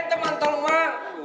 ini mana sam sih